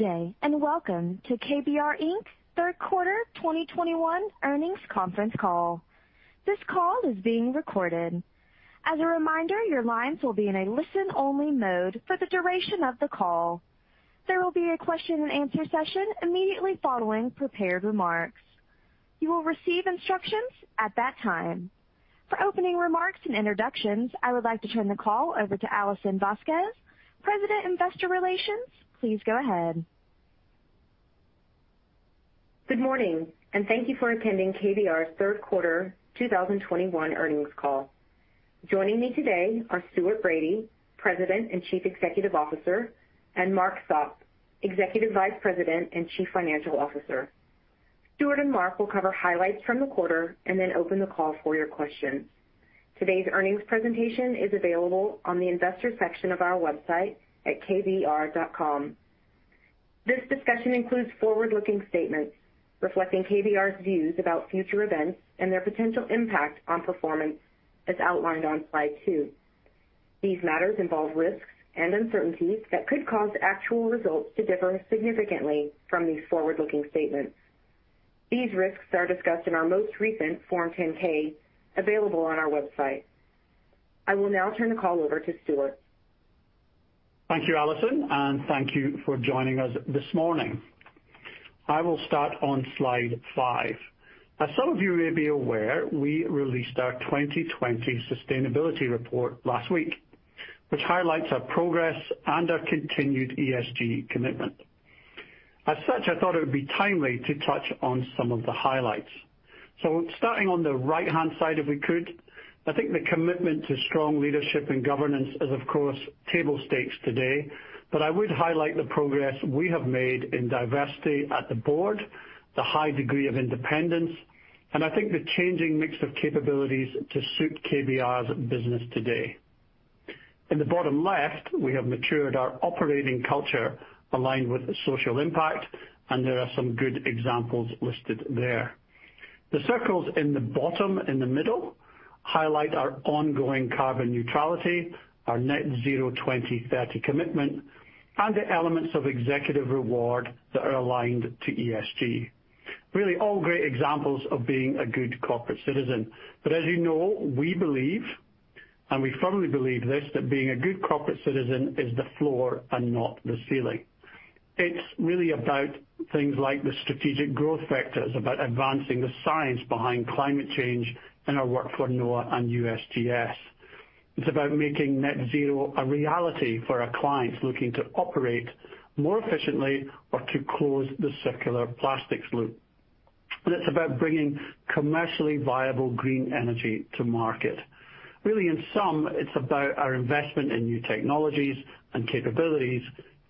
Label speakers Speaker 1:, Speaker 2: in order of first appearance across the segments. Speaker 1: Good day, and welcome to KBR Inc Third Quarter 2021 Earnings Conference Call. This call is being recorded. As a reminder, your lines will be in a listen-only mode for the duration of the call. There will be a question and answer session immediately following prepared remarks. You will receive instructions at that time. For opening remarks and introductions, I would like to turn the call over to Alison Vasquez, Vice President, Investor Relations. Please go ahead.
Speaker 2: Good morning, and thank you for attending KBR's Third Quarter 2021 Earnings Call. Joining me today are Stuart Bradie, President and Chief Executive Officer, and Mark Sopp, Executive Vice President and Chief Financial Officer. Stuart and Mark will cover highlights from the quarter and then open the call for your questions. Today's earnings presentation is available on the investor section of our website at kbr.com. This discussion includes forward-looking statements reflecting KBR's views about future events and their potential impact on performance, as outlined on slide two. These matters involve risks and uncertainties that could cause actual results to differ significantly from these forward-looking statements. These risks are discussed in our most recent Form 10-K, available on our website. I will now turn the call over to Stuart.
Speaker 3: Thank you, Alison, and thank you for joining us this morning. I will start on slide five. As some of you may be aware, we released our 2020 sustainability report last week, which highlights our progress and our continued ESG commitment. As such, I thought it would be timely to touch on some of the highlights. Starting on the right-hand side, if we could, I think the commitment to strong leadership and governance is, of course, table stakes today, but I would highlight the progress we have made in diversity at the board, the high degree of independence, and I think the changing mix of capabilities to suit KBR's business today. In the bottom left, we have matured our operating culture aligned with social impact, and there are some good examples listed there. The circles in the bottom in the middle highlight our ongoing carbon neutrality, our net zero 2030 commitment, and the elements of executive reward that are aligned to ESG. Really all great examples of being a good corporate citizen. As you know, we believe, and we firmly believe this, that being a good corporate citizen is the floor and not the ceiling. It's really about things like the strategic growth vectors, about advancing the science behind climate change in our work for NOAA and USGS. It's about making net zero a reality for our clients looking to operate more efficiently or to close the circular plastics loop. It's about bringing commercially viable green energy to market. Really, in sum, it's about our investment in new technologies and capabilities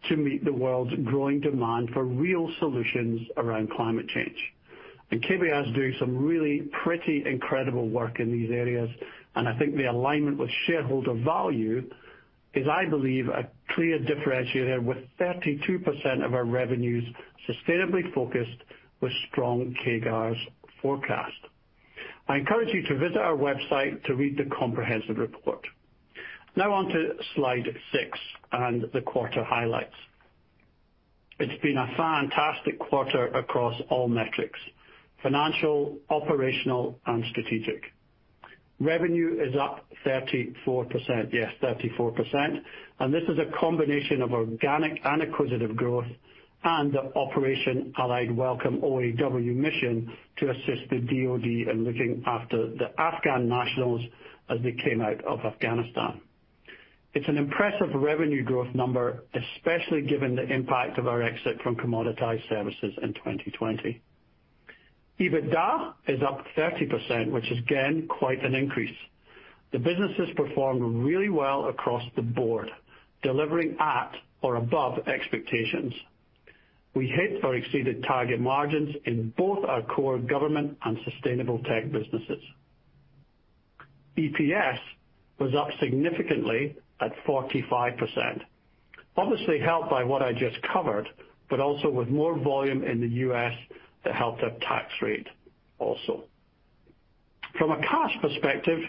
Speaker 3: to meet the world's growing demand for real solutions around climate change. KBR is doing some really pretty incredible work in these areas, and I think the alignment with shareholder value is, I believe, a clear differentiator with 32% of our revenues sustainably focused with strong CAGRs forecast. I encourage you to visit our website to read the comprehensive report. Now on to slide six and the quarter highlights. It's been a fantastic quarter across all metrics, financial, operational, and strategic. Revenue is up 34%. Yes, 34%. This is a combination of organic and acquisitive growth and the Operation Allies Welcome, OAW, mission to assist the DoD in looking after the Afghan nationals as they came out of Afghanistan. It's an impressive revenue growth number, especially given the impact of our exit from commoditized services in 2020. EBITDA is up 30%, which is again quite an increase. The businesses performed really well across the board, delivering at or above expectations. We hit or exceeded target margins in both our core government and sustainable tech businesses. EPS was up significantly at 45%, obviously helped by what I just covered, but also with more volume in the U.S. that helped our tax rate also. From a cash perspective,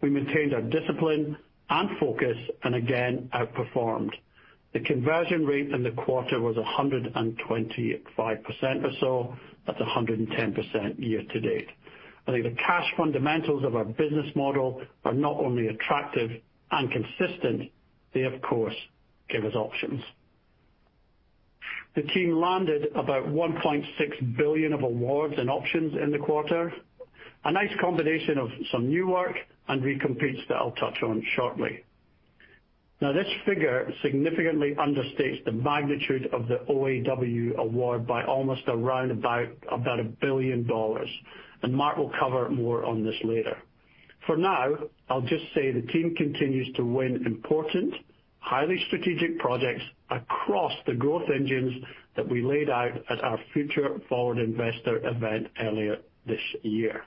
Speaker 3: we maintained our discipline and focus and again outperformed. The conversion rate in the quarter was 125% or so. That's 110% year-to-date. I think the cash fundamentals of our business model are not only attractive and consistent, they of course give us options. The team landed about $1.6 billion of awards and options in the quarter. A nice combination of some new work and recompetes that I'll touch on shortly. This figure significantly understates the magnitude of the OAW award by almost a billion dollars, and Mark will cover more on this later. For now, I'll just say the team continues to win important, highly strategic projects across the growth engines that we laid out at our Future Forward investor event earlier this year.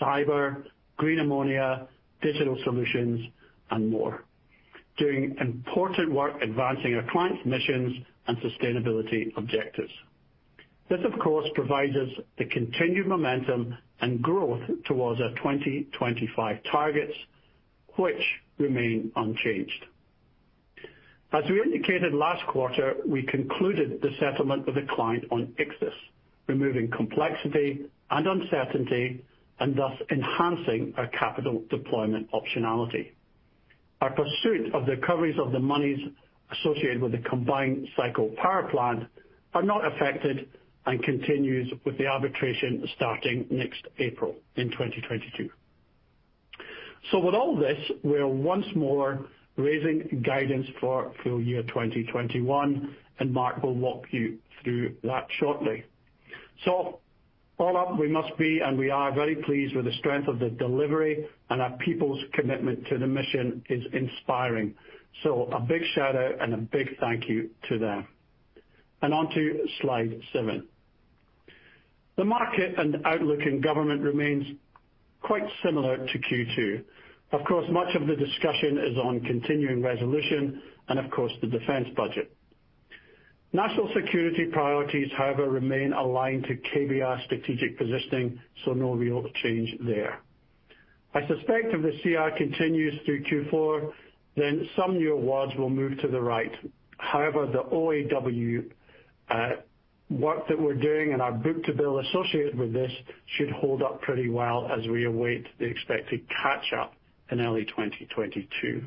Speaker 3: Cyber, green ammonia, digital solutions, and more. Doing important work advancing our clients' missions and sustainability objectives. This of course provides us the continued momentum and growth towards our 2025 targets, which remain unchanged. As we indicated last quarter, we concluded the settlement with a client on Ichthys, removing complexity and uncertainty and thus enhancing our capital deployment optionality. Our pursuit of the recoveries of the monies associated with the combined cycle power plant are not affected and continues with the arbitration starting next April in 2022. With all this, we're once more raising guidance for full year 2021, and Mark will walk you through that shortly. All up, we must be and we are very pleased with the strength of the delivery and our people's commitment to the mission is inspiring. A big shout out and a big thank you to them. On to slide seven. The market and outlook in government remains quite similar to Q2. Of course, much of the discussion is on continuing resolution and of course, the defense budget. National security priorities, however, remain aligned to KBR strategic positioning, so no real change there. I suspect if the CR continues through Q4, then some new awards will move to the right. However, the OAW work that we're doing and our book-to-bill associated with this should hold up pretty well as we await the expected catch up in early 2022.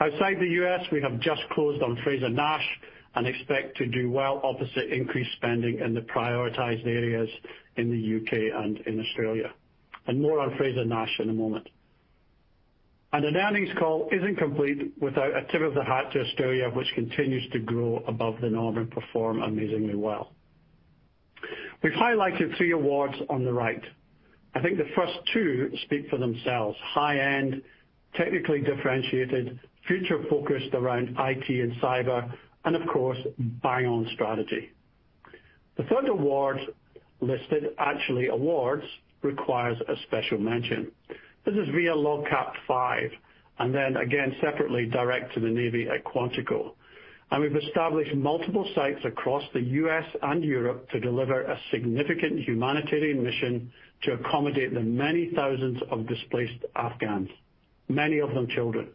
Speaker 3: Outside the U.S., we have just closed on Frazer-Nash and expect to do well opposite increased spending in the prioritized areas in the U.K. and in Australia. More on Frazer-Nash in a moment. An earnings call isn't complete without a tip of the hat to Australia, which continues to grow above the norm and perform amazingly well. We've highlighted three awards on the right. I think the first two speak for themselves. High-end, technically differentiated, future-focused around IT and cyber and of course, bang on strategy. The third award listed, actually awards, requires a special mention. This is via LOGCAP V, and then again separately direct to the Navy at Quantico. We've established multiple sites across the U.S. and Europe to deliver a significant humanitarian mission to accommodate the many thousands of displaced Afghans, many of them children.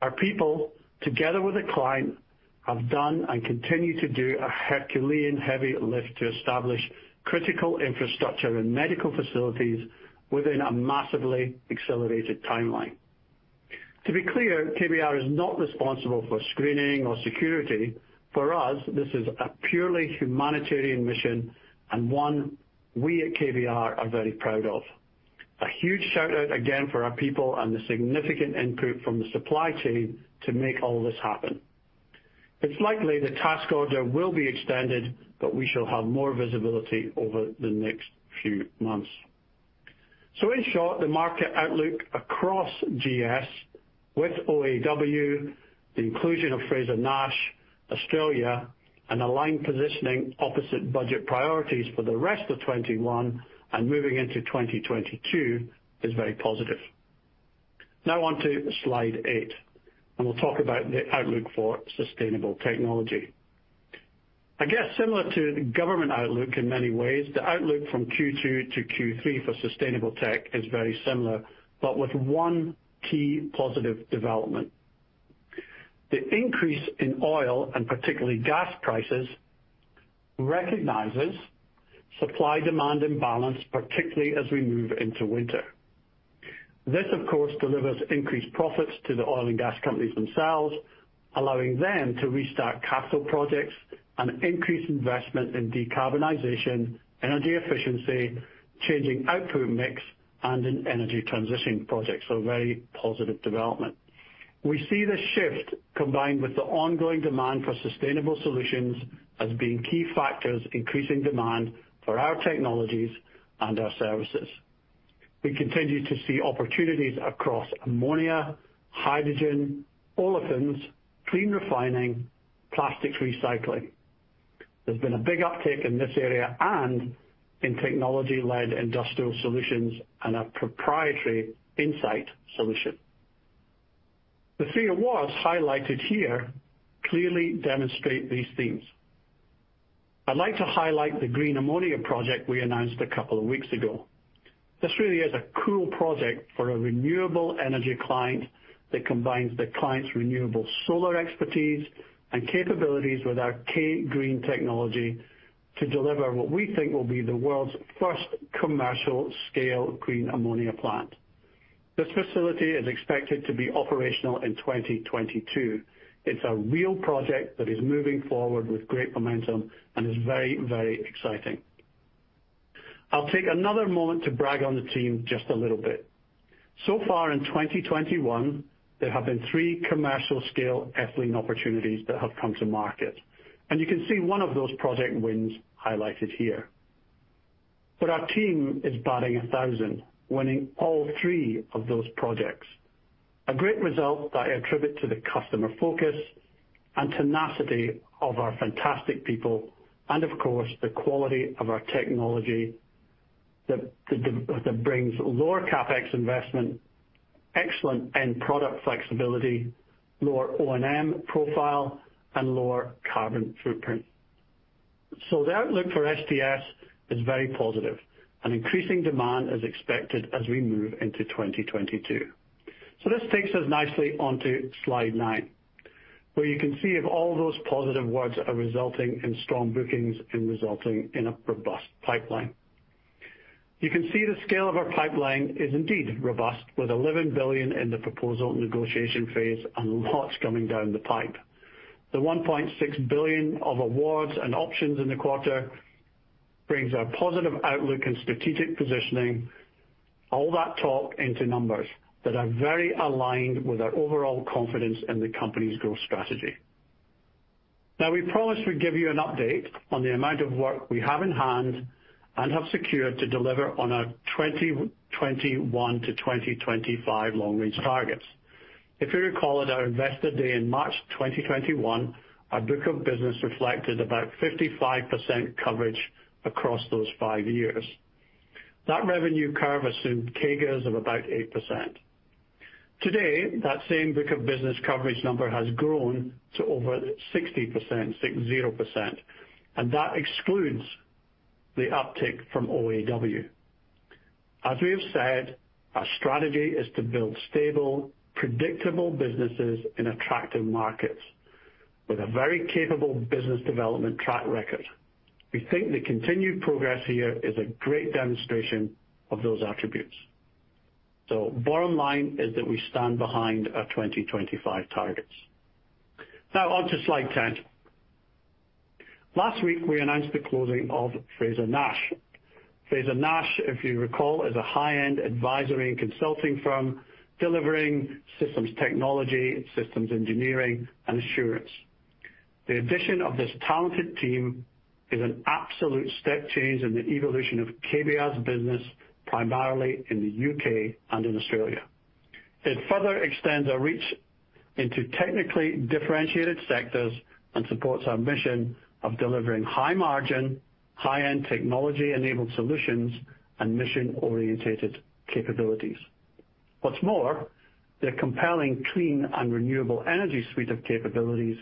Speaker 3: Our people, together with the client, have done and continue to do a herculean heavy lift to establish critical infrastructure and medical facilities within a massively accelerated timeline. To be clear, KBR is not responsible for screening or security. For us, this is a purely humanitarian mission and one we at KBR are very proud of. A huge shout out again for our people and the significant input from the supply chain to make all this happen. It's likely the task order will be extended, but we shall have more visibility over the next few months. In short, the market outlook across GS with OAW, the inclusion of Frazer-Nash, Australia, and aligned positioning opposite budget priorities for the rest of 2021 and moving into 2022 is very positive. Now on to slide eight and we'll talk about the outlook for sustainable technology. I guess similar to the government outlook in many ways, the outlook from Q2 to Q3 for sustainable tech is very similar, but with one key positive development. The increase in oil and particularly gas prices recognizes supply demand imbalance, particularly as we move into winter. This of course, delivers increased profits to the oil and gas companies themselves, allowing them to restart capital projects and increase investment in decarbonization, energy efficiency, changing output mix, and in energy transition projects. A very positive development. We see this shift combined with the ongoing demand for sustainable solutions as being key factors increasing demand for our technologies and our services. We continue to see opportunities across ammonia, hydrogen, olefins, clean refining, plastics recycling. There's been a big uptake in this area and in technology-led industrial solutions and our proprietary INSITE solution. The three awards highlighted here clearly demonstrate these themes. I'd like to highlight the green ammonia project we announced a couple of weeks ago. This really is a cool project for a renewable energy client that combines the client's renewable solar expertise and capabilities with our K-GreeN technology to deliver what we think will be the world's first commercial scale green ammonia plant. This facility is expected to be operational in 2022. It's a real project that is moving forward with great momentum and is very, very exciting. I'll take another moment to brag on the team just a little bit. So far in 2021, there have been three commercial scale ethylene opportunities that have come to market, and you can see one of those project wins highlighted here. Our team is batting a thousand, winning all three of those projects. A great result that I attribute to the customer focus and tenacity of our fantastic people and of course, the quality of our technology that brings lower CapEx investment, excellent end product flexibility, lower O&M profile, and lower carbon footprint. The outlook for STS is very positive, and increasing demand is expected as we move into 2022. This takes us nicely onto slide nine, where you can see if all those positive words are resulting in strong bookings and resulting in a robust pipeline. You can see the scale of our pipeline is indeed robust, with $11 billion in the proposal negotiation phase and lots coming down the pipe. The $1.6 billion of awards and options in the quarter brings our positive outlook and strategic positioning, all that talk into numbers that are very aligned with our overall confidence in the company's growth strategy. Now, we promised we'd give you an update on the amount of work we have in-hand and have secured to deliver on our 2021-2025 long-range targets. If you recall at our Investor Day in March 2021, our book of business reflected about 55% coverage across those five years. That revenue curve assumed CAGRs of about 8%. Today, that same book of business coverage number has grown to over 60%, 60%, and that excludes the uptick from OAW. As we have said, our strategy is to build stable, predictable businesses in attractive markets with a very capable business development track record. We think the continued progress here is a great demonstration of those attributes. Bottom line is that we stand behind our 2025 targets. Now on to slide 10. Last week, we announced the closing of Frazer-Nash. Frazer-Nash, if you recall, is a high-end advisory and consulting firm delivering systems technology, systems engineering, and assurance. The addition of this talented team is an absolute step change in the evolution of KBR's business, primarily in the U.K. and in Australia. It further extends our reach into technically differentiated sectors and supports our mission of delivering high margin, high-end technology-enabled solutions and mission-orientated capabilities. What's more, their compelling clean and renewable energy suite of capabilities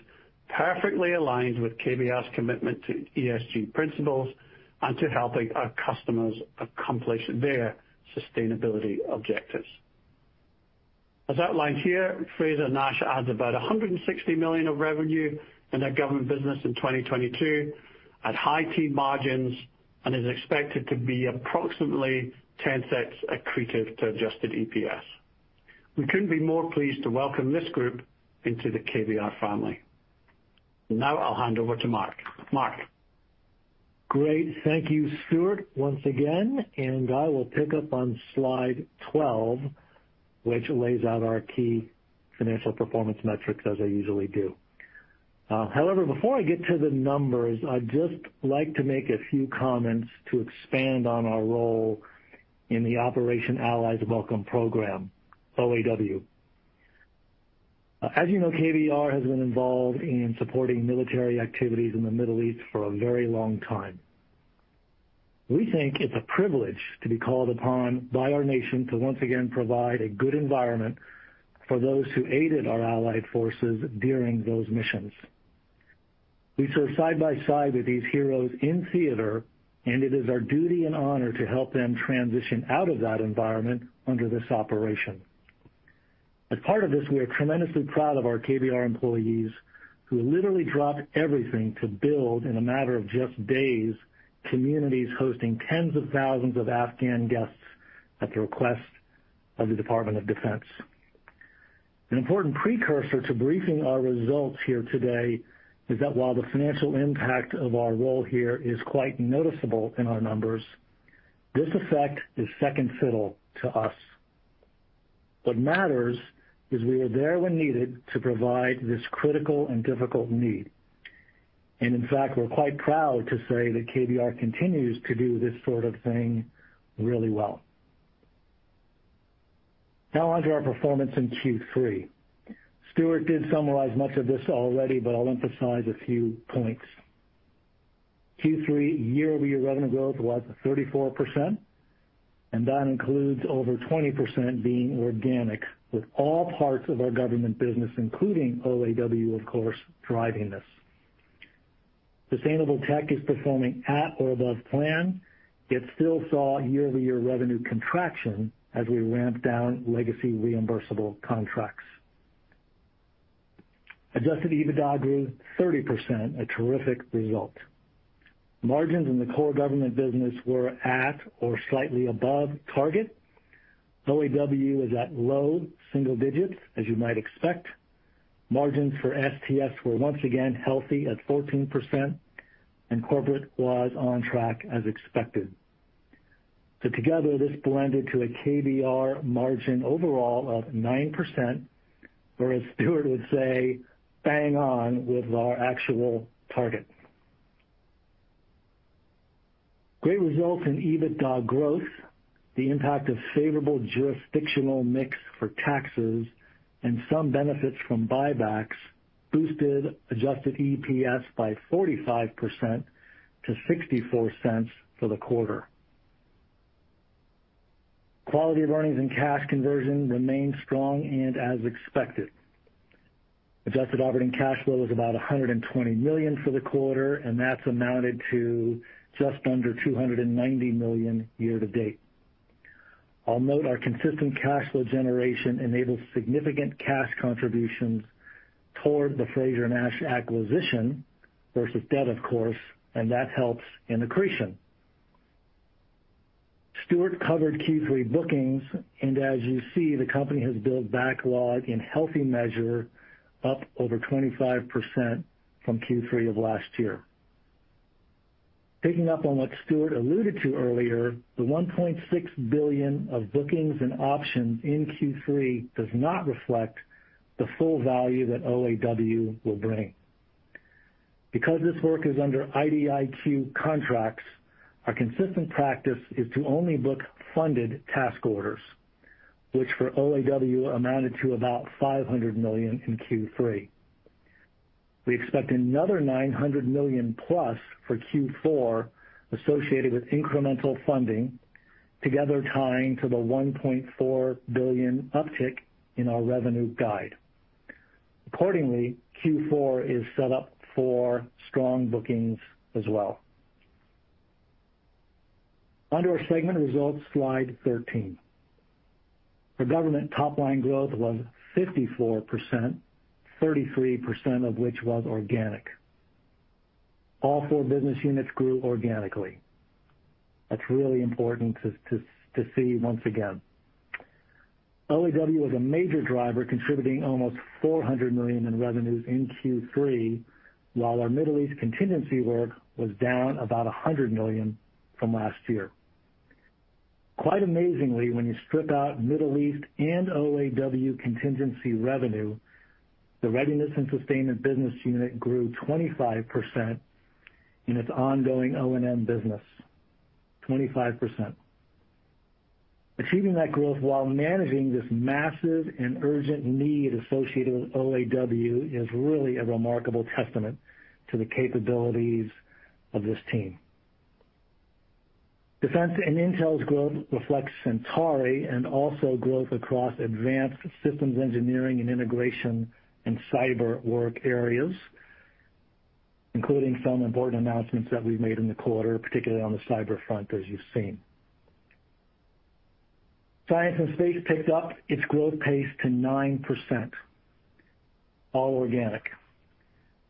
Speaker 3: perfectly aligns with KBR's commitment to ESG principles and to helping our customers accomplish their sustainability objectives. As outlined here, Frazer-Nash adds about 160 million of revenue in their government business in 2022 at high-teens margins and is expected to be approximately $0.10 accretive to adjusted EPS. We couldn't be more pleased to welcome this group into the KBR family. Now I'll hand over to Mark. Mark?
Speaker 4: Great. Thank you, Stuart, once again, and I will pick up on slide 12, which lays out our key financial performance metrics as I usually do. However, before I get to the numbers, I'd just like to make a few comments to expand on our role in the Operation Allies Welcome program, OAW. As you know, KBR has been involved in supporting military activities in the Middle East for a very long time. We think it's a privilege to be called upon by our nation to once again provide a good environment for those who aided our allied forces during those missions. We stood side by side with these heroes in theater, and it is our duty and honor to help them transition out of that environment under this operation. As part of this, we are tremendously proud of our KBR employees who literally dropped everything to build, in a matter of just days, communities hosting tens of thousands of Afghan guests at the request of the Department of Defense. An important precursor to briefing our results here today is that while the financial impact of our role here is quite noticeable in our numbers, this effect is second fiddle to us. What matters is we were there when needed to provide this critical and difficult need. In fact, we're quite proud to say that KBR continues to do this sort of thing really well. Now onto our performance in Q3. Stuart did summarize much of this already, but I'll emphasize a few points. Q3 year-over-year revenue growth was 34%, and that includes over 20% being organic with all parts of our government business, including OAW, of course, driving this. Sustainable tech is performing at or above plan. It still saw year-over-year revenue contraction as we ramped down legacy reimbursable contracts. Adjusted EBITDA grew 30%, a terrific result. Margins in the core government business were at or slightly above target. OAW is at low single digits, as you might expect. Margins for STS were once again healthy at 14%, and corporate was on track as expected. Together, this blended to a KBR margin overall of 9%. As Stuart would say, bang on with our actual target. Great results in EBITDA growth. The impact of favorable jurisdictional mix for taxes and some benefits from buybacks boosted adjusted EPS by 45% to $0.64 for the quarter. Quality of earnings and cash conversion remained strong and as expected. Adjusted operating cash flow was about $120 million for the quarter, and that's amounted to just under $290 million year-to-date. I'll note our consistent cash flow generation enables significant cash contributions toward the Frazer-Nash acquisition versus debt, of course, and that helps in accretion. Stuart covered Q3 bookings, and as you see, the company has built backlog in healthy measure up over 25% from Q3 of last year. Picking up on what Stuart alluded to earlier, the $1.6 billion of bookings and options in Q3 does not reflect the full value that OAW will bring. Because this work is under IDIQ contracts, our consistent practice is to only book funded task orders, which for OAW amounted to about $500 million in Q3. We expect another $900 million+ for Q4 associated with incremental funding, together tying to the $1.4 billion uptick in our revenue guide. Accordingly, Q4 is set up for strong bookings as well. Onto our segment results, slide 13. For Government, top line growth was 54%, 33% of which was organic. All four business units grew organically. That's really important to see once again. OAW was a major driver, contributing almost $400 million in revenues in Q3, while our Middle East contingency work was down about $100 million from last year. Quite amazingly, when you strip out Middle East and OAW contingency revenue, the Readiness and Sustainment business unit grew 25% in its ongoing O&M business. 25%. Achieving that growth while managing this massive and urgent need associated with OAW is really a remarkable testament to the capabilities of this team. Defense and Intel's growth reflects Centauri and also growth across advanced systems engineering and integration and cyber work areas, including some important announcements that we've made in the quarter, particularly on the cyber front, as you've seen. Science and Space picked up its growth pace to 9%, all organic.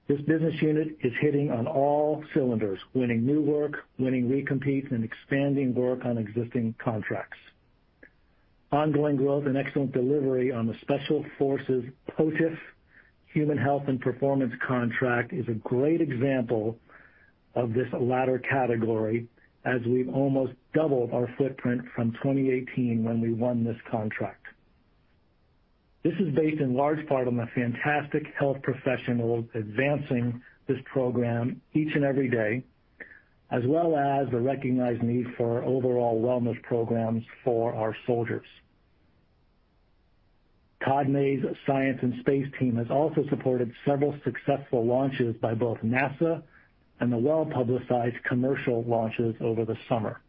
Speaker 4: This business unit is hitting on all cylinders, winning new work, winning recompetes, and expanding work on existing contracts. Ongoing growth and excellent delivery on the Special Forces POTFF Human Health and Performance contract is a great example of this latter category, as we've almost doubled our footprint from 2018 when we won this contract. This is based in large part on the fantastic health professionals advancing this program each and every day, as well as the recognized need for overall wellness programs for our soldiers. Todd May's Science and Space team has also supported several successful launches by both NASA and the well-publicized commercial launches over the summer.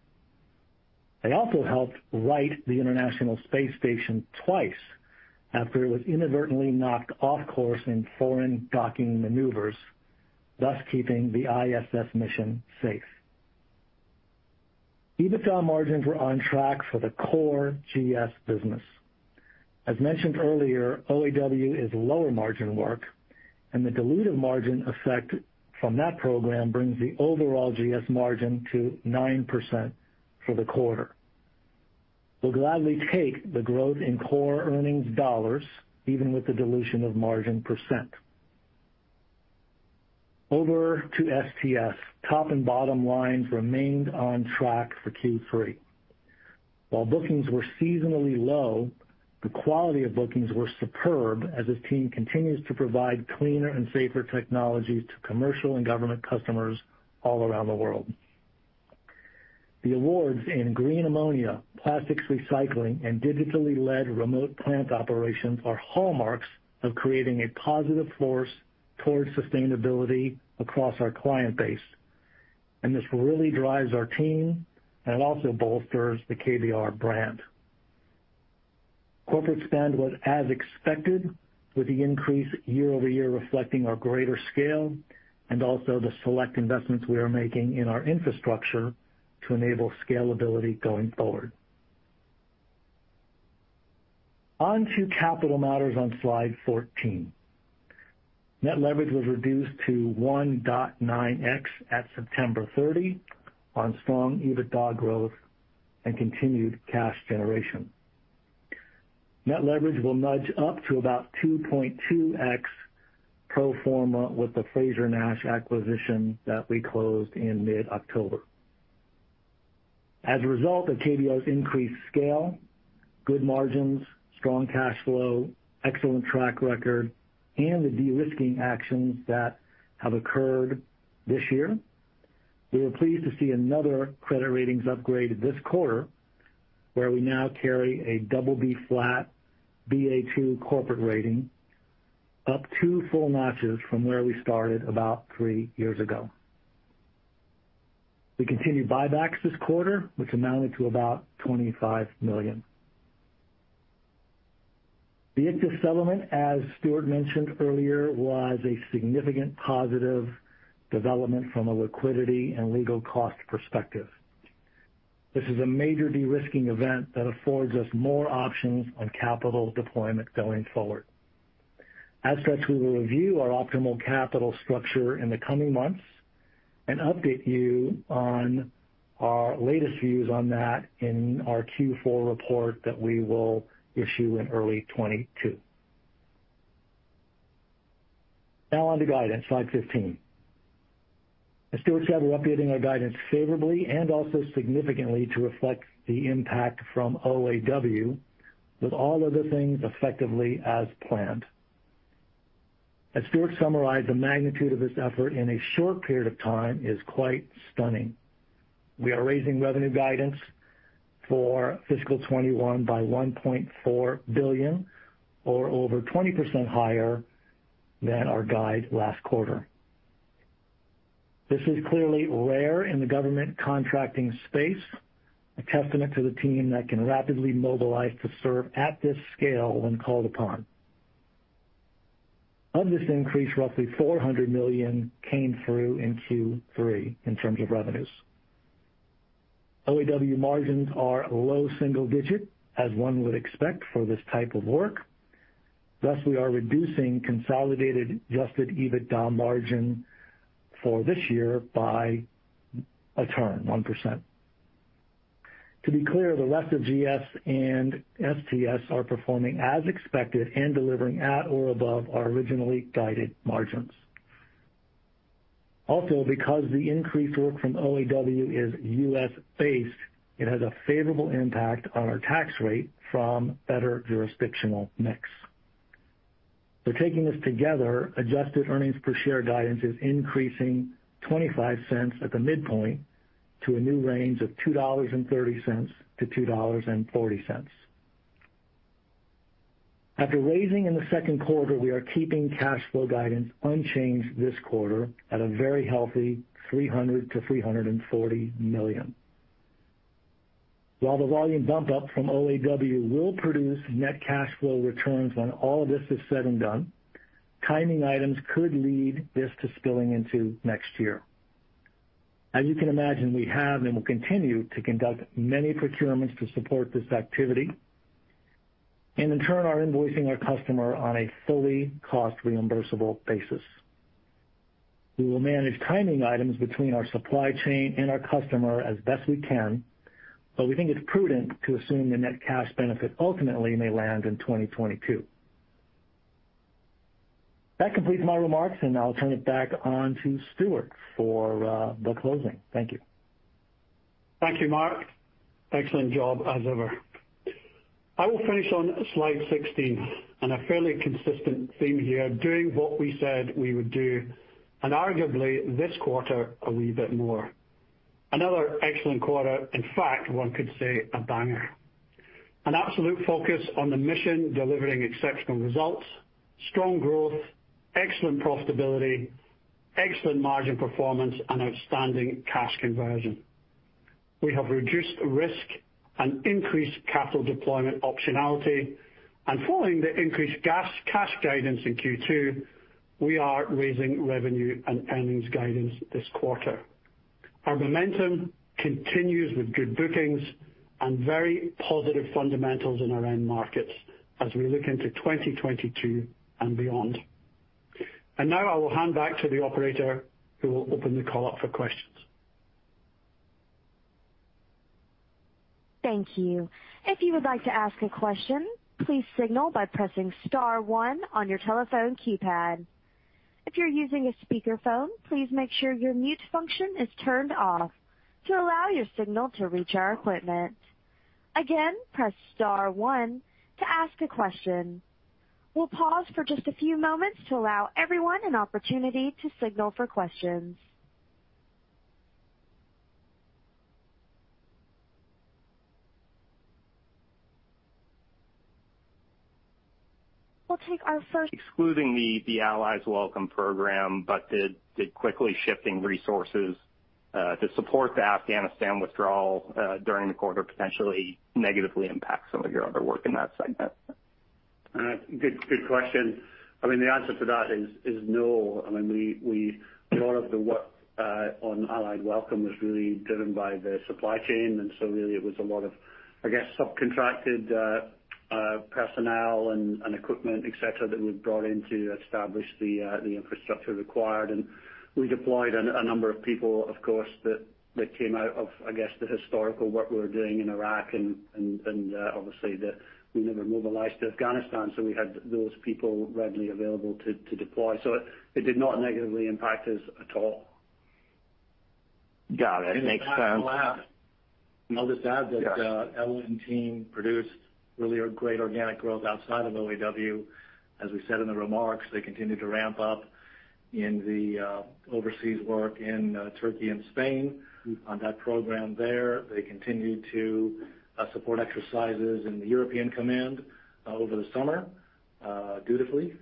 Speaker 4: They also helped right the International Space Station twice after it was inadvertently knocked off course in foreign docking maneuvers, thus keeping the ISS mission safe. EBITDA margins were on track for the core GS business. As mentioned earlier, OAW is lower-margin work, and the dilutive margin effect from that program brings the overall GS margin to 9% for the quarter. We'll gladly take the growth in core earnings dollars, even with the dilution of margin percent. Over to STS, top and bottom lines remained on track for Q3. While bookings were seasonally low, the quality of bookings were superb as this team continues to provide cleaner and safer technologies to commercial and government customers all around the world. The awards in green ammonia, plastics recycling, and digitally led remote plant operations are hallmarks of creating a positive force towards sustainability across our client base. This really drives our team, and it also bolsters the KBR brand. Corporate spend was as expected, with the increase year-over-year reflecting our greater scale and also the select investments we are making in our infrastructure to enable scalability going forward. On to capital matters on slide 14. Net leverage was reduced to 1.9x at September 30 on strong EBITDA growth and continued cash generation. Net leverage will nudge up to about 2.2x pro forma with the Frazer-Nash acquisition that we closed in mid-October. As a result of KBR's increased scale, good margins, strong cash flow, excellent track record, and the de-risking actions that have occurred this year. We were pleased to see another credit ratings upgrade this quarter, where we now carry a BB, Ba2 corporate rating, up two full notches from where we started about three years ago. We continued buybacks this quarter, which amounted to about $25 million. The Ichthys settlement, as Stuart mentioned earlier, was a significant positive development from a liquidity and legal cost perspective. This is a major de-risking event that affords us more options on capital deployment going forward. As such, we will review our optimal capital structure in the coming months and update you on our latest views on that in our Q4 report that we will issue in early 2022. Now on to guidance, slide 15. As Stuart said, we're updating our guidance favorably and also significantly to reflect the impact from OAW, with all other things effectively as planned. As Stuart summarized, the magnitude of this effort in a short period of time is quite stunning. We are raising revenue guidance for FY 2021 by $1.4 billion, or over 20% higher than our guide last quarter. This is clearly rare in the government contracting space, a testament to the team that can rapidly mobilize to serve at this scale when called upon. Of this increase, roughly $400 million came through in Q3 in terms of revenues. OAW margins are low single-digit, as one would expect for this type of work. Thus, we are reducing consolidated adjusted EBITDA margin for this year by a turn, 1%. To be clear, the rest of GS and STS are performing as expected and delivering at or above our originally guided margins. Also, because the increased work from OAW is U.S.-based, it has a favorable impact on our tax rate from better jurisdictional mix. Taking this together, adjusted earnings per share guidance is increasing $0.25 at the midpoint to a new range of $2.30-$2.40. After raising in the second quarter, we are keeping cash flow guidance unchanged this quarter at a very healthy $300 million-$340 million. While the volume bump up from OAW will produce net cash flow returns when all of this is said and done, timing items could lead this to spilling into next year. As you can imagine, we have and will continue to conduct many procurements to support this activity, and in turn are invoicing our customer on a fully cost reimbursable basis. We will manage timing items between our supply chain and our customer as best we can, but we think it's prudent to assume the net cash benefit ultimately may land in 2022. That completes my remarks, and I'll turn it back over to Stuart for the closing. Thank you.
Speaker 3: Thank you, Mark. Excellent job as ever. I will finish on slide 16 and a fairly consistent theme here, doing what we said we would do, and arguably this quarter a wee bit more. Another excellent quarter, in fact, one could say a banger. An absolute focus on the mission, delivering exceptional results, strong growth, excellent profitability, excellent margin performance, and outstanding cash conversion. We have reduced risk and increased capital deployment optionality, and following the increased cash guidance in Q2, we are raising revenue and earnings guidance this quarter. Our momentum continues with good bookings and very positive fundamentals in our end markets as we look into 2022 and beyond. Now I will hand back to the operator who will open the call up for questions.
Speaker 1: Thank you. If you would like to ask a question, please signal by pressing star one on your telephone keypad. If you're using a speakerphone, please make sure your mute function is turned off to allow your signal to reach our equipment. Again, press star one to ask a question. We'll pause for just a few moments to allow everyone an opportunity to signal for questions.
Speaker 5: Excluding the Allies Welcome program, did quickly shifting resources to support the Afghanistan withdrawal during the quarter potentially negatively impact some of your other work in that segment?
Speaker 3: Good question. I mean, the answer to that is no. I mean, we a lot of the work on Operation Allies Welcome was really driven by the supply chain, and so really it was a lot of, I guess, subcontracted personnel and equipment, et cetera, that was brought in to establish the infrastructure required. We deployed a number of people, of course, that came out of, I guess, the historical work we were doing in Iraq and obviously we never mobilized Afghanistan, so we had those people readily available to deploy. It did not negatively impact us at all.
Speaker 5: Got it. Makes sense.
Speaker 3: I'll just add that Ella and team produced really great organic growth outside of OAW. As we said in the remarks, they continued to ramp up in the overseas work in Turkey and Spain on that program there. They continued to support exercises in the European Command over the summer dutifully,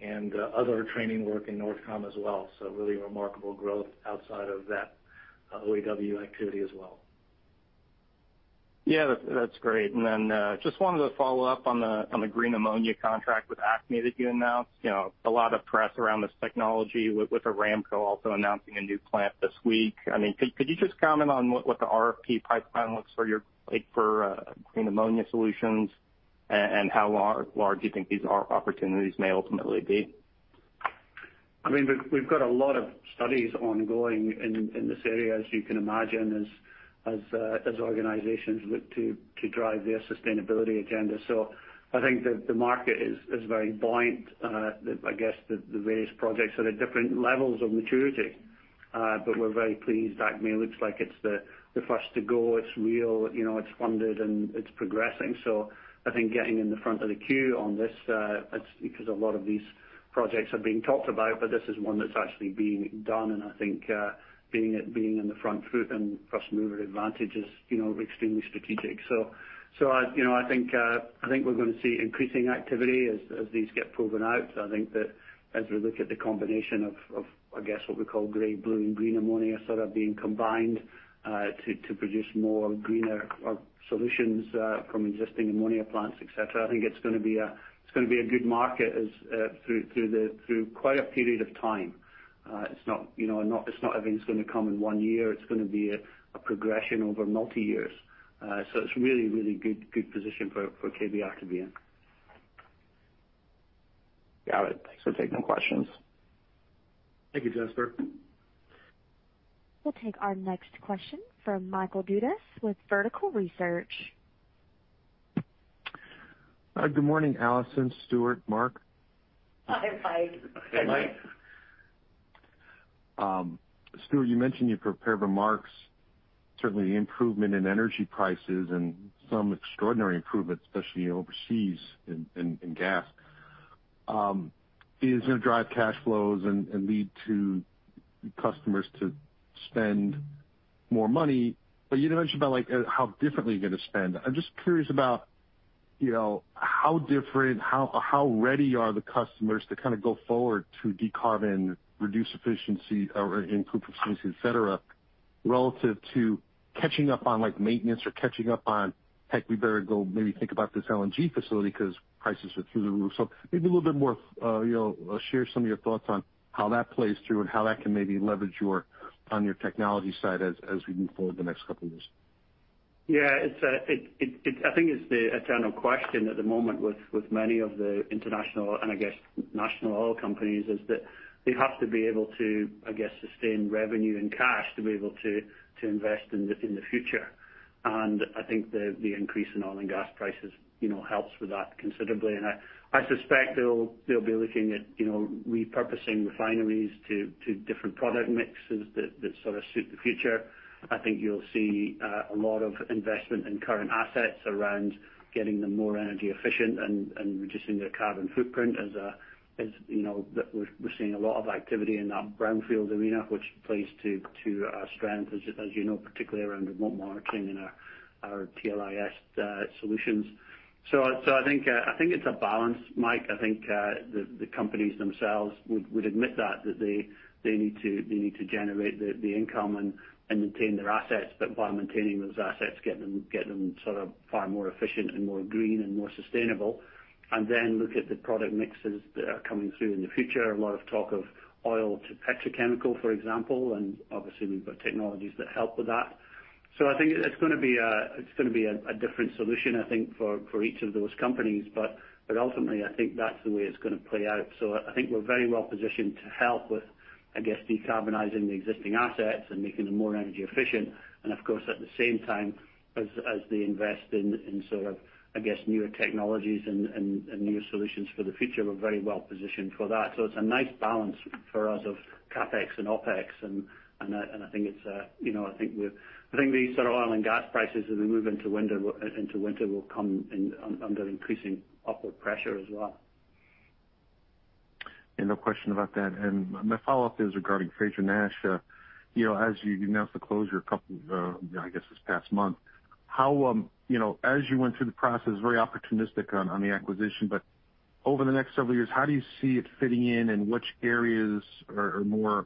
Speaker 3: and other training work in NORTHCOM as well. Really remarkable growth outside of that OAW activity as well.
Speaker 5: Yeah, that's great. Just wanted to follow up on the green ammonia contract with ACME that you announced. You know, a lot of press around this technology with Aramco also announcing a new plant this week. I mean, could you just comment on what the RFP pipeline looks like for green ammonia solutions and how large you think these opportunities may ultimately be?
Speaker 3: I mean, we've got a lot of studies ongoing in this area, as you can imagine, as organizations look to drive their sustainability agenda. I think that the market is very buoyant. I guess the various projects are at different levels of maturity. We're very pleased ACME looks like it's the first to go. It's real, you know, it's funded and it's progressing. I think getting in the front of the queue on this, it's because a lot of these projects are being talked about, but this is one that's actually being done. I think being in the front foot and first mover advantage is, you know, extremely strategic. I think we're gonna see increasing activity as these get proven out. I think that as we look at the combination of, I guess, what we call gray, blue and green ammonia sort of being combined to produce more green solutions from existing ammonia plants, et cetera. I think it's gonna be a good market through quite a period of time. It's not everything's gonna come in one year. It's gonna be a progression over multiple years. It's really good position for KBR to be in.
Speaker 5: Got it. Thanks for taking the questions.
Speaker 2: Thank you, Jasper.
Speaker 1: We'll take our next question from Michael Dudas with Vertical Research.
Speaker 6: Good morning, Alison, Stuart, Mark.
Speaker 2: Hi, Mike.
Speaker 3: Hey, Mike.
Speaker 6: Stuart, you mentioned your prepared remarks. Certain improvement in energy prices and some extraordinary improvements, especially overseas in gas, is gonna drive cash flows and lead to customers to spend more money. But you didn't mention about like how differently you're gonna spend. I'm just curious about, you know, how different, how ready are the customers to kind of go forward to decarbonize, reduce emissions or improve efficiency, et cetera, relative to catching up on like maintenance or catching up on, "Heck, we better go maybe think about this LNG facility because prices are through the roof." Maybe a little bit more, you know, share some of your thoughts on how that plays through and how that can maybe leverage your, on your technology side as we move forward the next couple of years.
Speaker 3: Yeah, it's I think it's the eternal question at the moment with many of the international and I guess national oil companies, is that they have to be able to, I guess, sustain revenue and cash to be able to invest in the future. I think the increase in oil and gas prices, you know, helps with that considerably. I suspect they'll be looking at, you know, repurposing refineries to different product mixes that sort of suit the future. I think you'll see a lot of investment in current assets around getting them more energy efficient and reducing their carbon footprint. As you know, we're seeing a lot of activity in that brownfield arena, which plays to our strength as you know, particularly around remote monitoring and our TLIS solutions. I think it's a balance, Mike. I think the companies themselves would admit that they need to generate the income and maintain their assets, but while maintaining those assets, get them sort of far more efficient and more green and more sustainable. Then look at the product mixes that are coming through in the future. A lot of talk of oil to petrochemical, for example, and obviously we've got technologies that help with that. I think it's gonna be a different solution, I think for each of those companies. Ultimately I think that's the way it's gonna play out. I think we're very well positioned to help with, I guess, decarbonizing the existing assets and making them more energy efficient. Of course, at the same time as they invest in sort of, I guess, newer technologies and newer solutions for the future, we're very well positioned for that. It's a nice balance for us of CapEx and OpEx, and I think it's, you know, I think the sort of oil and gas prices as we move into winter will into winter come under increasing upward pressure as well.
Speaker 6: Yeah, no question about that. My follow-up is regarding Frazer-Nash. You know, as you announced the closure a couple of, I guess this past month, how you know, as you went through the process, very opportunistic on the acquisition, but over the next several years, how do you see it fitting in and which areas are more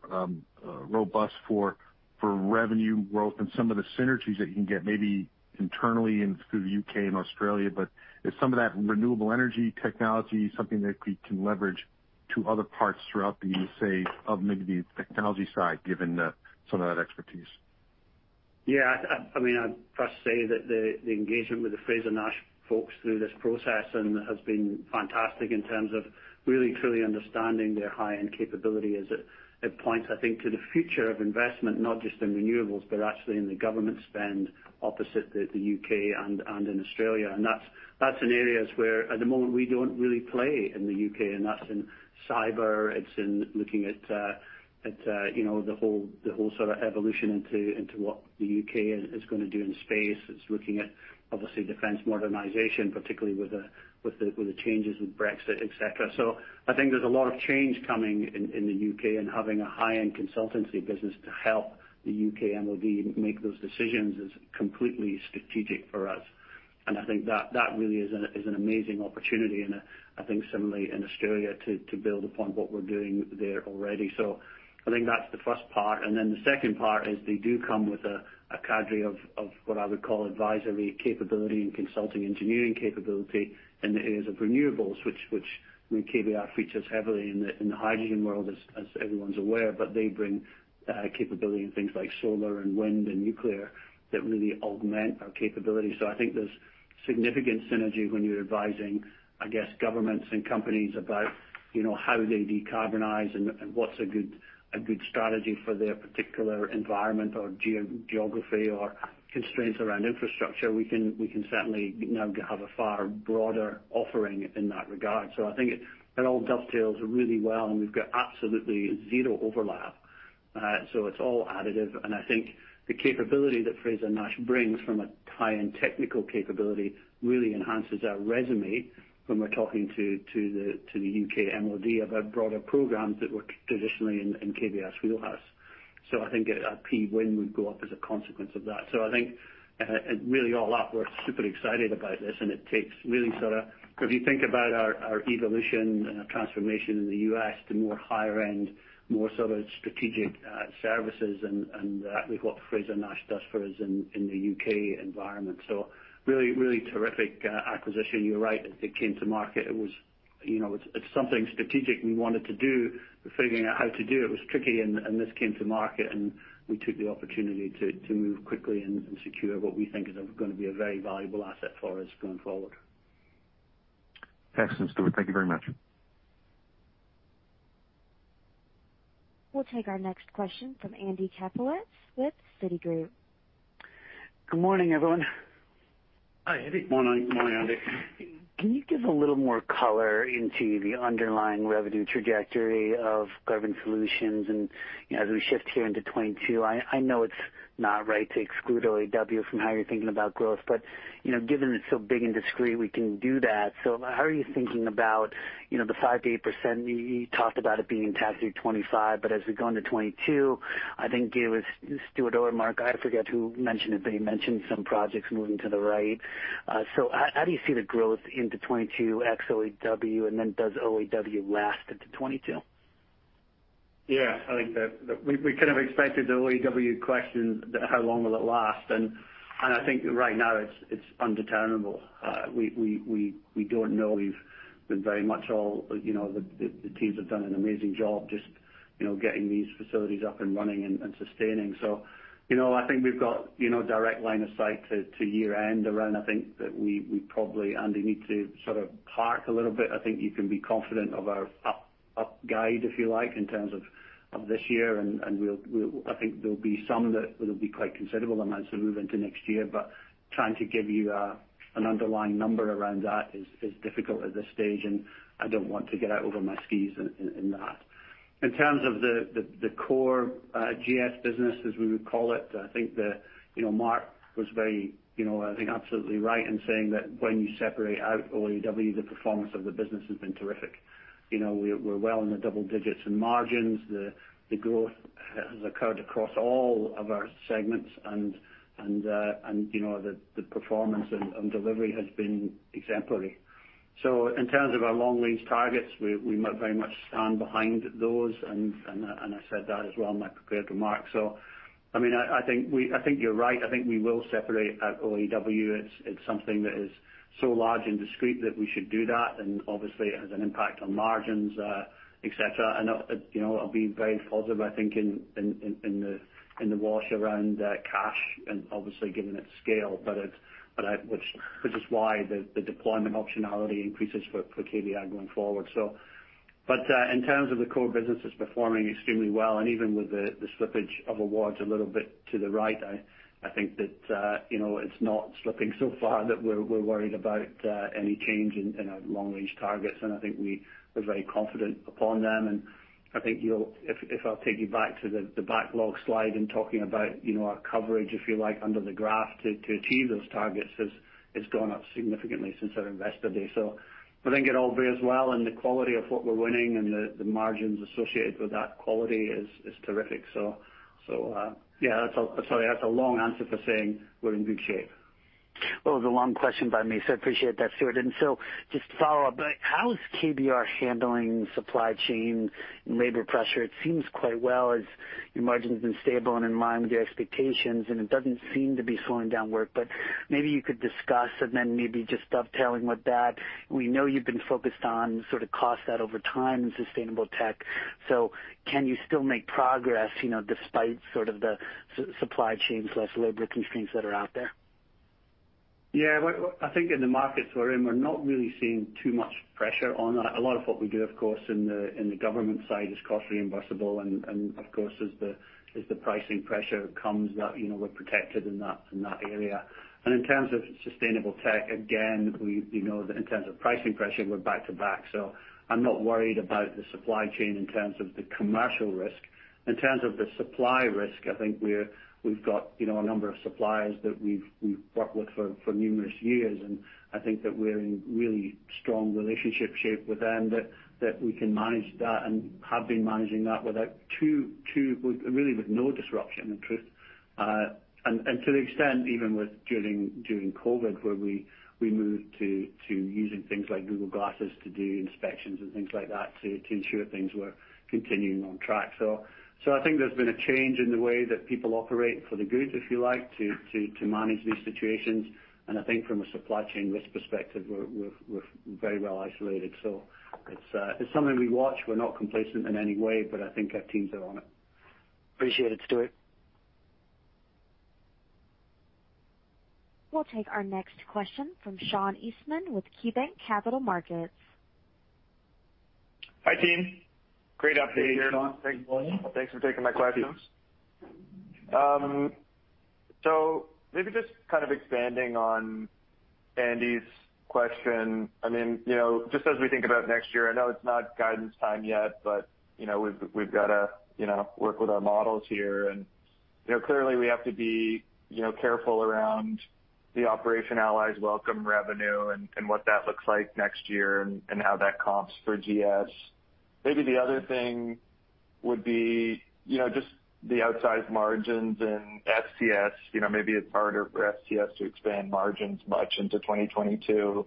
Speaker 6: robust for revenue growth and some of the synergies that you can get maybe internally and through the U.K. and Australia. Is some of that renewable energy technology something that we can leverage to other parts throughout the, say, of maybe the technology side, given some of that expertise?
Speaker 3: Yeah, I mean, I'd first say that the engagement with the Frazer-Nash folks through this process has been fantastic in terms of really truly understanding their high-end capability as it points, I think, to the future of investment, not just in renewables, but actually in the government spend opposite the U.K. and in Australia. That's in areas where at the moment we don't really play in the U.K., and that's in cyber. It's in looking at, you know, the whole sort of evolution into what the U.K. is gonna do in space. It's looking at, obviously, defense modernization, particularly with the changes with Brexit, et cetera. I think there's a lot of change coming in the U.K. and having a high-end consultancy business to help the U.K. MOD make those decisions is completely strategic for us. I think that really is an amazing opportunity and I think similarly in Australia to build upon what we're doing there already. I think that's the first part. Then the second part is they do come with a cadre of what I would call advisory capability and consulting engineering capability in the areas of renewables, which I mean KBR features heavily in the hydrogen world as everyone's aware, but they bring capability in things like solar and wind and nuclear that really augment our capability. I think there's significant synergy when you're advising, I guess, governments and companies about, you know, how they decarbonize and what's a good strategy for their particular environment or geography or constraints around infrastructure. We can certainly now have a far broader offering in that regard. I think it all dovetails really well, and we've got absolutely zero overlap. It's all additive. I think the capability that Frazer-Nash brings from a high-end technical capability really enhances our resume when we're talking to the U.K. MOD about broader programs that were traditionally in KBR's wheelhouse. I think our p-win would go up as a consequence of that. I think really all that we're super excited about this and it takes really sort of. If you think about our evolution and our transformation in the U.S. to more higher end, more sort of strategic, services and with what Frazer-Nash does for us in the U.K. environment. Really terrific acquisition. You're right, it came to market. It was, it's something strategic we wanted to do. Figuring out how to do it was tricky and this came to market and we took the opportunity to move quickly and secure what we think is gonna be a very valuable asset for us going forward.
Speaker 6: Excellent, Stuart. Thank you very much.
Speaker 1: We'll take our next question from Andy Kaplowitz with Citigroup.
Speaker 7: Good morning, everyone.
Speaker 4: Hi, Andy.
Speaker 3: Morning, Andy.
Speaker 7: Can you give a little more color into the underlying revenue trajectory of Government Solutions? You know, as we shift here into 2022, I know it's not right to exclude OAW from how you're thinking about growth, but you know, given it's so big and discrete, we can do that. How are you thinking about, you know, the 5%-8% you talked about it being on track through 2025, but as we go into 2022, I think it was Stuart or Mark, I forget who mentioned it, but he mentioned some projects moving to the right. How do you see the growth into 2022 ex OAW, and then does OAW last into 2022?
Speaker 3: Yeah. I think that we kind of expected the OAW question, the how long will it last? I think right now it's undeterminable. We don't know. We've been very much all, you know, the teams have done an amazing job just, you know, getting these facilities up and running and sustaining. You know, I think we've got direct line of sight to year end around. I think that we probably, Andy, need to sort of park a little bit. I think you can be confident of our up guide, if you like, in terms of this year. We'll -- I think there'll be some that will be quite considerable amounts as we move into next year. Trying to give you an underlying number around that is difficult at this stage, and I don't want to get out over my skis in that. In terms of the core GS business, as we would call it, I think you know, Mark was very you know, I think absolutely right in saying that when you separate out OAW, the performance of the business has been terrific. You know, we're well in the double digits in margins. The growth has occurred across all of our segments and you know, the performance and delivery has been exemplary. In terms of our long range targets, we very much stand behind those and I said that as well in my prepared remarks. I mean, I think you're right. I think we will separate out OAW. It's something that is so large and discrete that we should do that, and obviously it has an impact on margins, et cetera. You know, it'll be very positive, I think, in the wash around cash and obviously given its scale. Which is why the deployment optionality increases for KBR going forward. In terms of the core business, it's performing extremely well. Even with the slippage of awards a little bit to the right, I think that, you know, it's not slipping so far that we're worried about any change in our long range targets. I think we are very confident upon them. I think you'll, if I'll take you back to the backlog slide and talking about, you know, our coverage, if you like, under the graph to achieve those targets has gone up significantly since our Investor Day. I think it all bodes well and the margins associated with that quality is terrific. Yeah, sorry, that's a long answer for saying we're in good shape.
Speaker 7: Well, it was a long question by me, so I appreciate that, Stuart. Just to follow up, how is KBR handling supply chain and labor pressure? It seems quite well as your margin's been stable and in line with your expectations, and it doesn't seem to be slowing down work. Maybe you could discuss and then maybe just dovetailing with that. We know you've been focused on sort of cost out over time and sustainable tech, so can you still make progress, you know, despite sort of the supply chains, less labor constraints that are out there?
Speaker 3: Yeah. Well, I think in the markets we're in, we're not really seeing too much pressure on that. A lot of what we do, of course, in the government side is cost-reimbursable and, of course, as the pricing pressure comes, that you know, we're protected in that area. In terms of sustainable tech, again, we, you know, in terms of pricing pressure, we're back-to-back. I'm not worried about the supply chain in terms of the commercial risk. In terms of the supply risk, I think we've got, you know, a number of suppliers that we've worked with for numerous years. I think that we're in really strong relationship shape with them that we can manage that and have been managing that with really no disruption, in truth. To the extent even during COVID, where we moved to using things like Google Glasses to do inspections and things like that to ensure things were continuing on track. I think there's been a change in the way that people operate for the good, if you like, to manage these situations. I think from a supply chain risk perspective, we're very well isolated. It's something we watch. We're not complacent in any way, but I think our teams are on it.
Speaker 7: Appreciate it, Stuart.
Speaker 1: We'll take our next question from Sean Eastman with KeyBanc Capital Markets.
Speaker 8: Hi, team. Great update here.
Speaker 3: Hey, Sean. Good morning.
Speaker 8: Thanks for taking my questions. Maybe just kind of expanding on Andy's question. I mean, you know, just as we think about next year, I know it's not guidance time yet, but, you know, we've got to, you know, work with our models here. You know, clearly we have to be, you know, careful around the Operation Allies Welcome revenue and what that looks like next year and how that comps for GS. Maybe the other thing would be, you know, just the outsized margins in STS. You know, maybe it's harder for STS to expand margins much into 2022.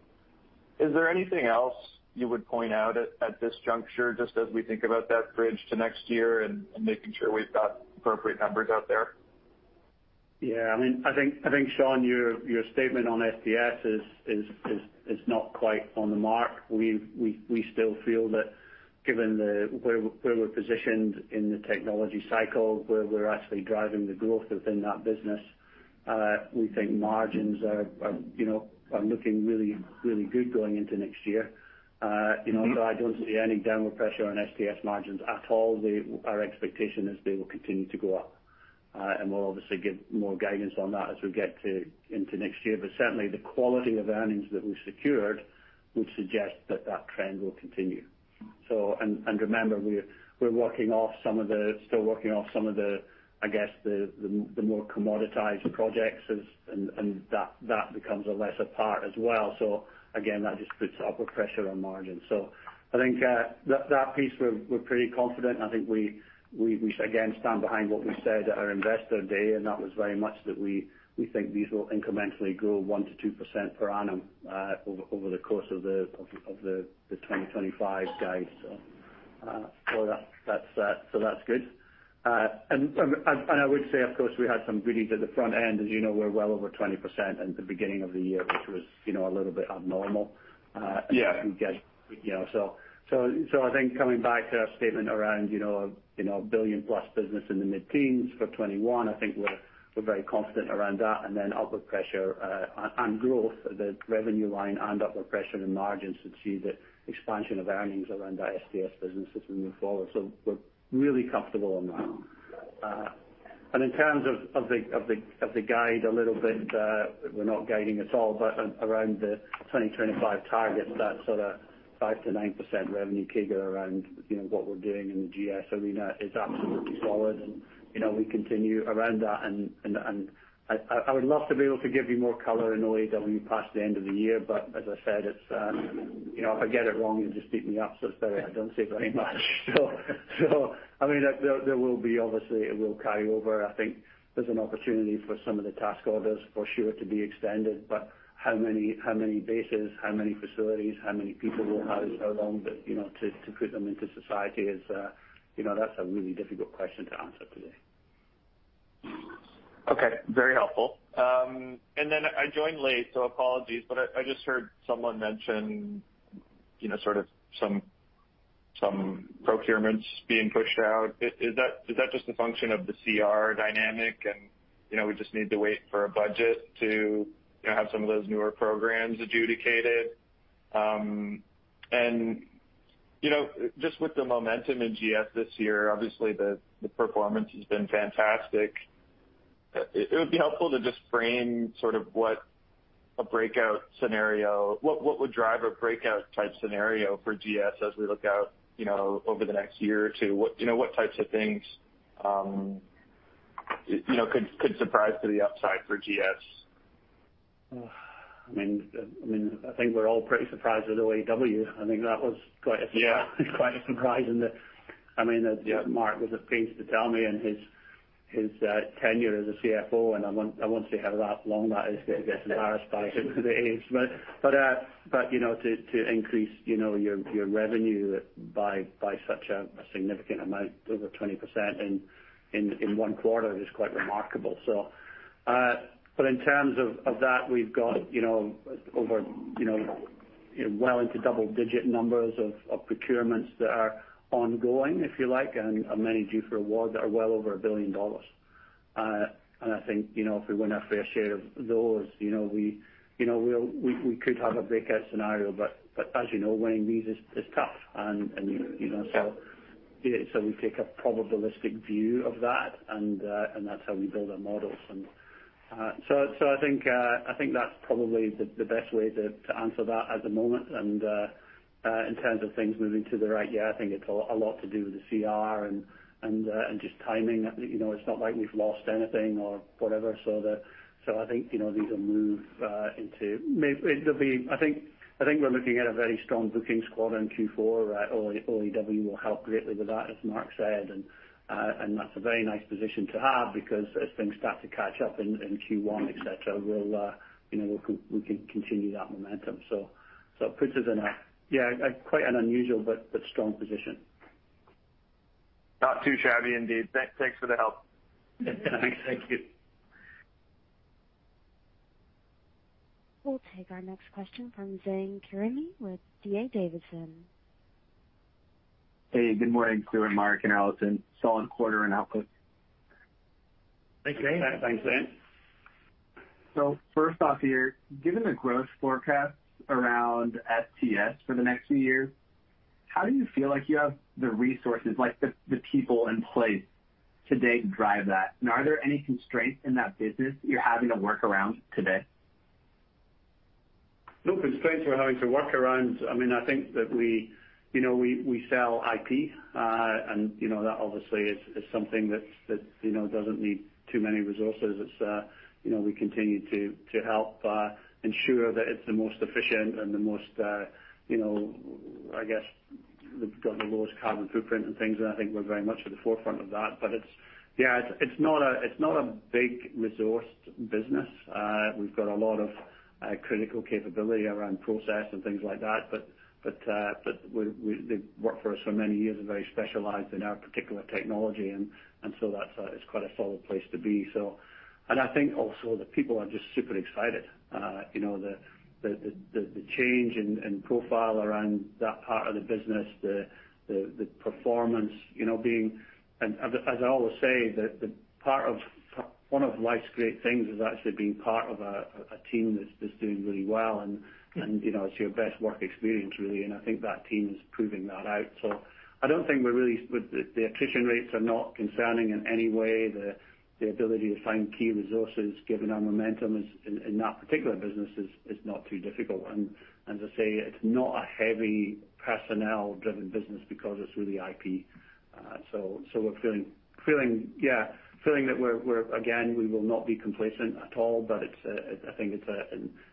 Speaker 8: Is there anything else you would point out at this juncture, just as we think about that bridge to next year and making sure we've got appropriate numbers out there?
Speaker 3: Yeah. I mean, I think, Sean, your statement on STS is not quite on the mark. We still feel that given where we're positioned in the technology cycle, where we're actually driving the growth within that business, we think margins are you know looking really, really good going into next year. You know, so I don't see any downward pressure on STS margins at all. Our expectation is they will continue to go up. And we'll obviously give more guidance on that as we get into next year. But certainly, the quality of earnings that we've secured would suggest that that trend will continue. Remember, we're still working off some of the more commoditized projects as that becomes a lesser part as well. Again, that just puts upward pressure on margins. I think that piece we're pretty confident. I think we again stand behind what we said at our Investor Day, and that was very much that we think these will incrementally grow 1%-2% per annum over the course of the 2025 guide. That's good. I would say, of course, we had some goodies at the front end. As you know, we're well over 20% in the beginning of the year, which was, you know, a little bit abnormal. As we get, you know. I think coming back to our statement around, you know, a $1 billion+ business in the mid-teens for 2021. I think we're very confident around that. Then upward pressure on growth, the revenue line and upward pressure in margins to see the expansion of earnings around our STS business as we move forward. We're really comfortable on that. In terms of the guide a little bit, we're not guiding at all, but around the 2025 targets, that sort of 5%-9% revenue CAGR around, you know, what we're doing in the GS arena is absolutely solid. You know, we continue around that. I would love to be able to give you more color on OAW past the end of the year, but as I said, it's, you know, if I get it wrong, you'll just beat me up. It's better I don't say very much. I mean, there will be obviously it will carry over. I think there's an opportunity for some of the task orders for sure to be extended. How many bases, how many facilities, how many people we'll have, how long that, you know, to put them into society is, you know, that's a really difficult question to answer today.
Speaker 8: Okay, very helpful. I joined late, so apologies. I just heard someone mention, you know, sort of some procurements being pushed out. Is that just a function of the CR dynamic? We just need to wait for a budget to, you know, have some of those newer programs adjudicated. Just with the momentum in GS this year, obviously the performance has been fantastic. It would be helpful to just frame sort of what a breakout scenario. What would drive a breakout type scenario for GS as we look out, you know, over the next year or two? What types of things, you know, could surprise to the upside for GS?
Speaker 3: I mean, I think we're all pretty surprised with OAW. I think that was quite a sur-
Speaker 8: Yeah.
Speaker 3: Quite a surprise. I mean, as Mark was pleased to tell me in his tenure as a CFO, and I won't say how long that is, because he gets embarrassed by his age. You know, to increase your revenue by such a significant amount, over 20% in one quarter is quite remarkable. In terms of that, we've got you know, well into double-digit numbers of procurements that are ongoing, if you like, and many are due for awards that are well over $1 billion. I think you know, if we win our fair share of those, you know, we could have a breakout scenario, but as you know, winning these is tough. You know, we take a probabilistic view of that, and that's how we build our models. I think that's probably the best way to answer that at the moment. In terms of things moving to the right, yeah, I think it's a lot to do with the CR and just timing. You know, it's not like we've lost anything or whatever. I think, you know, these will move into May. I think we're looking at a very strong bookings quarter in Q4. OAW will help greatly with that, as Mark said. That's a very nice position to have because as things start to catch up in Q1, et cetera, we'll, you know, we can continue that momentum. It puts us in a, yeah, quite an unusual but strong position.
Speaker 8: Not too shabby indeed. Thanks for the help.
Speaker 3: Thank you.
Speaker 1: We'll take our next question from Zane Karimi with D.A. Davidson.
Speaker 9: Hey, good morning, Stuart, Mark, and Alison. Solid quarter and outlook.
Speaker 4: Thanks, Zane.
Speaker 3: Thanks, Zane.
Speaker 9: First off here, given the growth forecasts around STS for the next few years, how do you feel like you have the resources, like the people in place today to drive that? And are there any constraints in that business you're having to work around today?
Speaker 3: No constraints we're having to work around. I mean, I think that we, you know, we sell IP, and, you know, that obviously is something that's, you know, doesn't need too many resources. It's, you know, we continue to help ensure that it's the most efficient and the most, you know, I guess, we've got the lowest carbon footprint and things. I think we're very much at the forefront of that. It's, yeah, it's not a big resourced business. We've got a lot of critical capability around process and things like that, but they've worked for us for many years and very specialized in our particular technology. That's quite a solid place to be, so. I think also the people are just super excited. You know, the change in profile around that part of the business, the performance, you know, being one of life's great things is actually being part of a team that's doing really well. You know, it's your best work experience, really. I think that team is proving that out. I don't think we're really concerned. The attrition rates are not concerning in any way. The ability to find key resources given our momentum in that particular business is not too difficult. As I say, it's not a heavy personnel-driven business because it's really IP. Again, we will not be complacent at all, but I think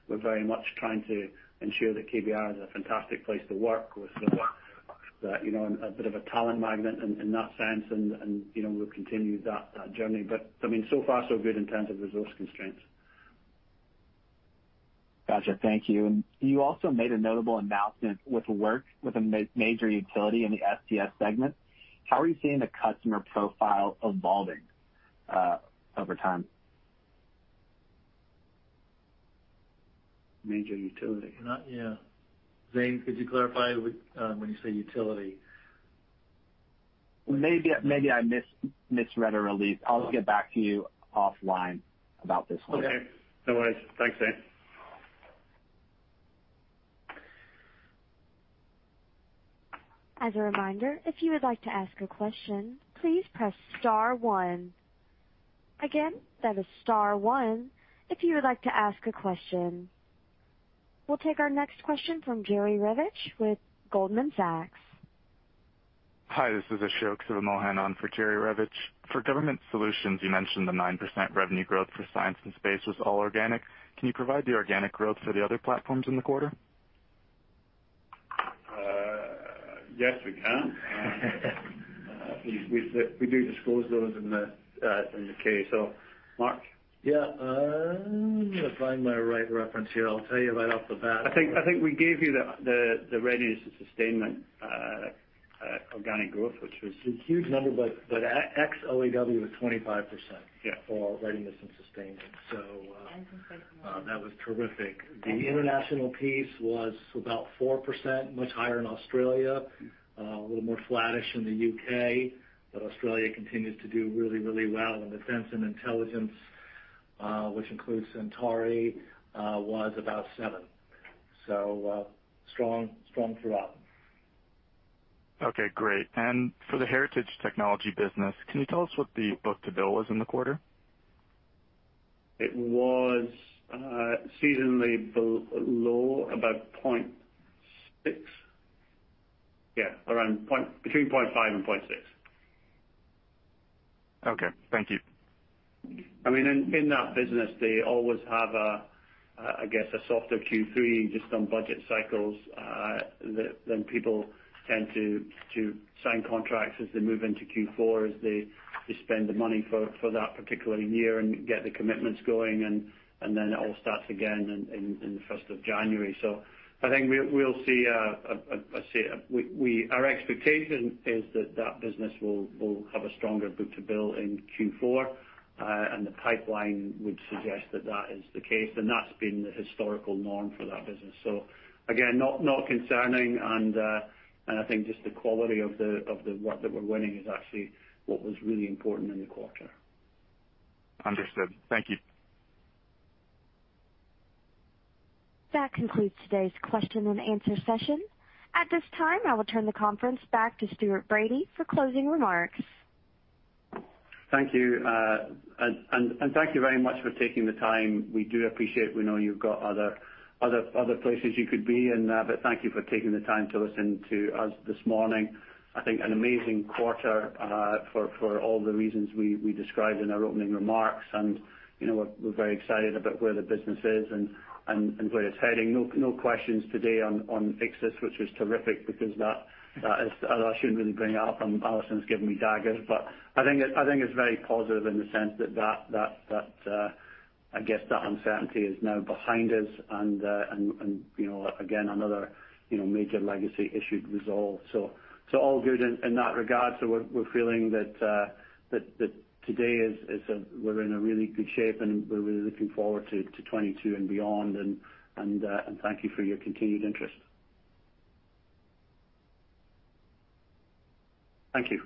Speaker 3: we're very much trying to ensure that KBR is a fantastic place to work. We're sort of that, you know, a bit of a talent magnet in that sense. You know, we'll continue that journey. I mean, so far so good in terms of resource constraints.
Speaker 9: Gotcha. Thank you. You also made a notable announcement with a major utility in the STS segment. How are you seeing the customer profile evolving over time?
Speaker 3: Major utility.
Speaker 4: Not yet. Zane, could you clarify with, when you say utility?
Speaker 9: Maybe I misread a release. I'll get back to you offline about this one.
Speaker 4: Okay. No worries. Thanks, Zane.
Speaker 1: As a reminder, if you would like to ask a question, please press star one. Again, that is star one if you would like to ask a question. We'll take our next question from Jerry Revich with Goldman Sachs.
Speaker 10: Hi, this is Ashok Sivamohan on for Jerry Revich. For Government Solutions, you mentioned the 9% revenue growth for Science and Space was all organic. Can you provide the organic growth for the other platforms in the quarter?
Speaker 3: Yes, we can. We do disclose those in the 10-K. Mark?
Speaker 4: Yeah. Find my right reference here. I'll tell you right off the bat.
Speaker 3: I think we gave you the Readiness and Sustainment organic growth, which was-
Speaker 4: A huge number, but ex OAW was 25%.
Speaker 3: Yeah.
Speaker 4: For Readiness and Sustainment. That was terrific. The international piece was about 4%, much higher in Australia, a little more flattish in the U.K., but Australia continues to do really, really well. Defense and Intel, which includes Centauri, was about 7%. Strong, strong throughout.
Speaker 10: Okay, great. For the Heritage technology business, can you tell us what the book-to-bill was in the quarter?
Speaker 3: It was seasonally below, about 0.6. Yeah, between 0.5 and 0.6.
Speaker 10: Okay. Thank you.
Speaker 3: I mean, in that business, they always have, I guess, a softer Q3 just on budget cycles. Then people tend to sign contracts as they move into Q4, as they spend the money for that particular year and get the commitments going, and then it all starts again in the first of January. I think we'll see our expectation is that that business will have a stronger book-to-bill in Q4, and the pipeline would suggest that that is the case. That's been the historical norm for that business. Again, not concerning, and I think just the quality of the work that we're winning is actually what was really important in the quarter.
Speaker 10: Understood. Thank you.
Speaker 1: That concludes today's question and answer session. At this time, I will turn the conference back to Stuart Bradie for closing remarks.
Speaker 3: Thank you. And thank you very much for taking the time. We do appreciate. We know you've got other places you could be, but thank you for taking the time to listen to us this morning. I think an amazing quarter for all the reasons we described in our opening remarks. You know, we're very excited about where the business is and where it's heading. No questions today on Ichthys, which was terrific because that is. I shouldn't really bring it up, and Alison's giving me daggers. I think it's very positive in the sense that I guess that uncertainty is now behind us and, you know, again, another major legacy issue resolved. All good in that regard. We're feeling that today we're in a really good shape, and we're really looking forward to 2022 and beyond. Thank you for your continued interest. Thank you.